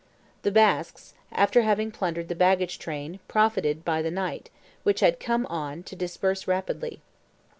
The Basques, after having plundered the baggage train, profited by the night, which had come on, to disperse rapidly.